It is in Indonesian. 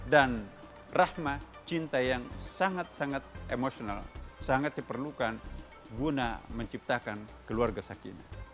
dan rahmah cinta yang sangat sangat emosional sangat diperlukan guna menciptakan keluarga sakinah